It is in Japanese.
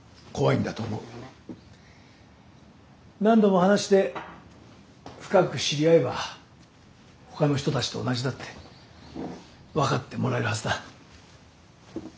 何度も話して深く知り合えばほかの人たちと同じだって分かってもらえるはずだ。